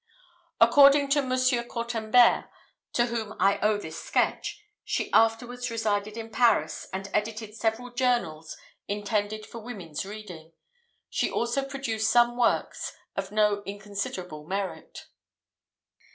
According to M. Cortambert, to whom I owe this sketch, she afterwards resided in Paris, and edited several journals intended for women's reading. She also produced some works of no inconsiderable merit.